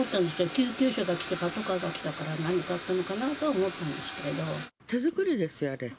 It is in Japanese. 救急車が来て、パトカーが来たから、何かあったのかなとは思った手作りですよ、あれ。